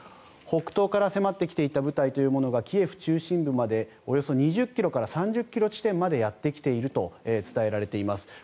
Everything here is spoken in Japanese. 北東から迫ってきていた部隊がキエフ中心部までおよそ２０ｋｍから３０ｋｍ地点までやってきていると伝えられています。